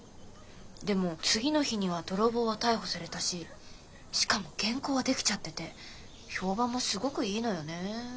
でも次の日には泥棒は逮捕されたししかも原稿は出来ちゃってて評判もすごくいいのよねー。